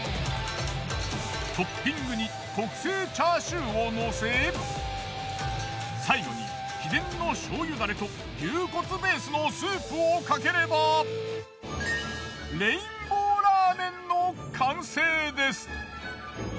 トッピングに特製チャーシューをのせ最後に秘伝の醤油ダレと牛骨ベースのスープをかければレインボーラーメンの完成です。